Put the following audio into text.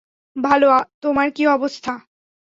ভালো, তোমার কী অবস্থা?